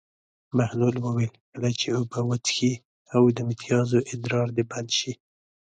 بهلول وویل: کله چې اوبه وڅښې او د متیازو ادرار دې بند شي.